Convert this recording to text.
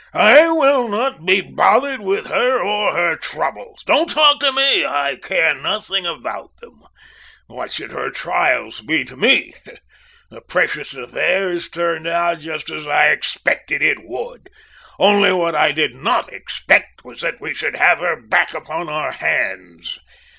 I will not be bothered with her or her troubles. Don't talk to me! I care nothing about them! What should her trials be to me? The precious affair has turned out just as I expected it would! Only what I did not expect was that we should have her back upon our hands!